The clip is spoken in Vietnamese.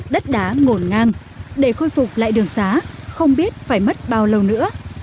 đất đá ngổn ngang để khôi phục lại đường xá không biết phải mất bao lâu nữa